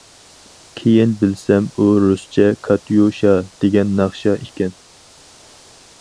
كېيىن بىلسەم، ئۇ رۇسچە‹‹ كاتيۇشا›› دېگەن ناخشا ئىكەن.